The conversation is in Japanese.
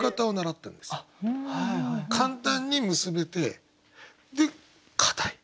簡単に結べて固い。